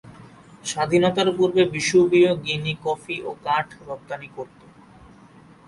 স্বাধীনতার পূর্বে বিষুবীয় গিনি কফি ও কাঠ রপ্তানি করত।